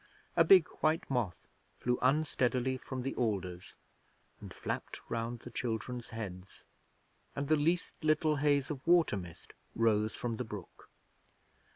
A big white moth flew unsteadily from the alders and flapped round the children's heads, and the least little haze of water mist rose from the brook.